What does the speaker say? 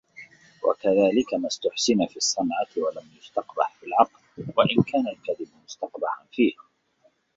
وَكَذَلِكَ مَا اُسْتُحْسِنَ فِي الصَّنْعَةِ وَلَمْ يُسْتَقْبَحْ فِي الْعَقْلِ وَإِنْ كَانَ الْكَذِبُ مُسْتَقْبَحًا فِيهِ